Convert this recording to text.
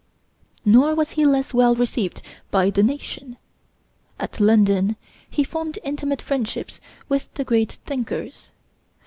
Nor was he less well received by the nation. At London he formed intimate friendships with the great thinkers.